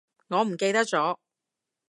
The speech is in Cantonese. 我唔記得咗